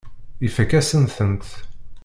Ifakk-asen-tent.